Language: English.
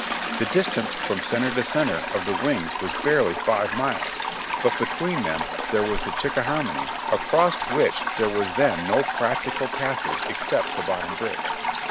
The distance from center to center of the wings was barely five miles, but between them there was the Chickahominy, across which there was then no practical passage except the Bottom Bridge.